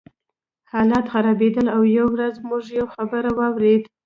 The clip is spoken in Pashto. حالات خرابېدل او یوه ورځ موږ یو خبر واورېد